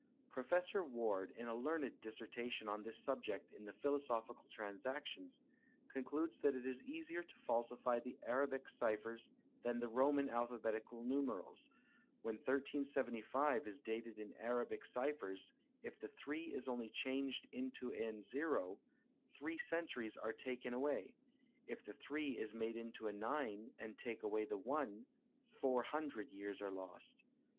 Professor Ward, in a learned dissertation on this subject in the Philosophical Transactions, concludes that it is easier to falsify the Arabic ciphers than the Roman alphabetical numerals; when 1375 is dated in Arabic ciphers, if the 3 is only changed into an 0, three centuries are taken away; if the 3 is made into a 9 and take away the 1, four hundred years are lost.